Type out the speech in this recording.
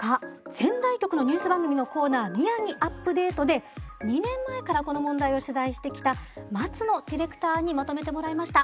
仙台局のニュース番組のコーナー「みやぎＵＰ−ＤＡＴＥ」で２年前からこの問題を取材してきた松野ディレクターにまとめてもらいました。